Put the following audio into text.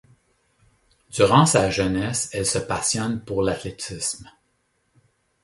Durant sa jeunesse, elle se passionne pour l'athlétisme.